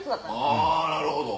あなるほど。